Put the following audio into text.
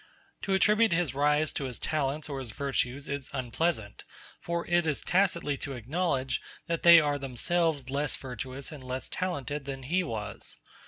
To attribute his rise to his talents or his virtues is unpleasant; for it is tacitly to acknowledge that they are themselves less virtuous and less talented than he was.